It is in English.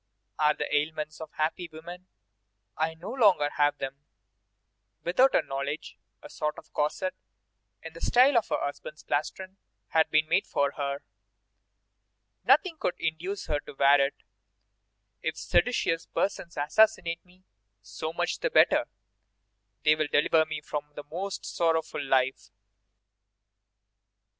"are the ailments of happy women; I no longer have them." Without her knowledge a sort of corset, in the style of her husband's plastron, had been made for her. Nothing could induce her to wear it. To those who implored her with tears to put it on, she replied: "If seditious persons assassinate me, so much the better; they will deliver me from a most sorrowful life."